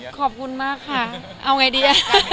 ขอบคุณมากค่ะเอาไงดีอ่ะ